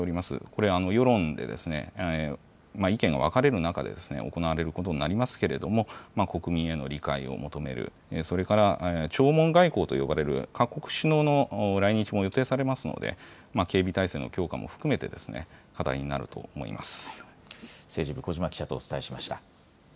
これ、世論で意見が分かれる中で行われることになりますけれども、国民への理解を求める、それから弔問外交と呼ばれる各国首脳の来日も予定されますので、警備体制の強化も含めて、課題になると思います。